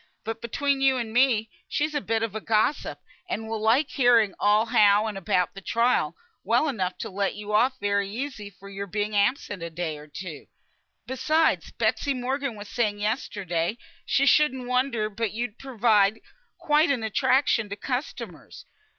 But between you and me, she's a bit of a gossip, and will like hearing all how and about the trial, well enough to let you off very easy for your being absent a day or two. Besides, Betsy Morgan was saying yesterday, she shouldn't wonder but you'd prove quite an attraction to customers.